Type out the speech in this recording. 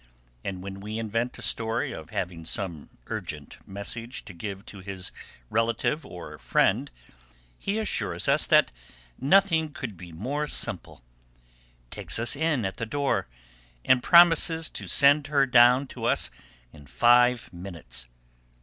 And when we invent a story of having some urgent message to give to his relative or friend, he assures us that nothing could be more simple, takes us in at the door, and promises to send her down to us in five minutes.